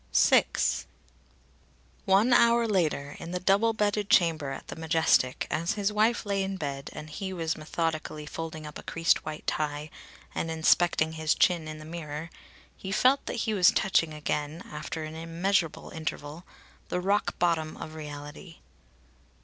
VI. One hour later, in the double bedded chamber at the Majestic, as his wife lay in bed and he was methodically folding up a creased white tie and inspecting his chin in the mirror, he felt that he was touching again, after an immeasurable interval, the rock bottom of reality.